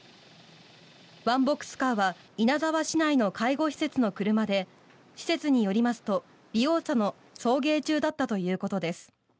ワンボックスカーは稲沢市内の介護施設の車で施設によりますと利用者の送迎中だったということです。